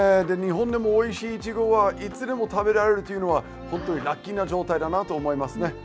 日本でもおいしいイチゴがいつでも食べられるというのは本当にラッキーな状態だなと思いますね。